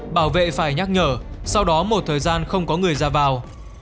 bảo vệ phải nhắc nhở sau đó một thời gian không có người ra vào